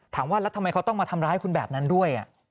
ถามว่าแล้วทำไมเขาต้องมาทำร้ายคุณแบบนั้นด้วย